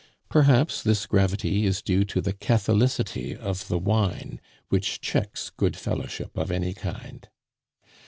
Perhaps this gravity is due to the catholicity of the wine, which checks good fellowship of any kind.